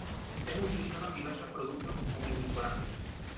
Es utilizado en diversos productos como edulcorante.